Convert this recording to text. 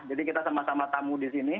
kita sama sama tamu di sini